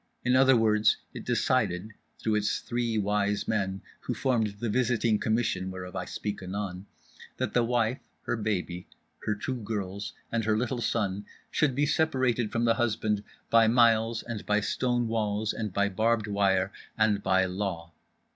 In other words, it decided (through its Three Wise Men, who formed the visiting Commission whereof I speak anon) that the wife, her baby, her two girls, and her little son should be separated from the husband by miles and by stone walls and by barbed wire and by Law.